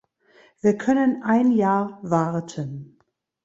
Wir können ein Jahr warten.